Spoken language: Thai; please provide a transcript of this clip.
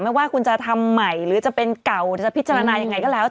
ไม่ว่าคุณจะทำใหม่หรือจะเป็นเก่าจะพิจารณายังไงก็แล้ว